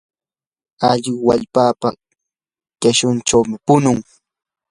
allqu wallpapa qishunchaw punun.